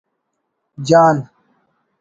جان